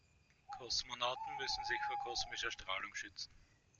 Kosmonauten müssen sich vor kosmischer Strahlung schützen.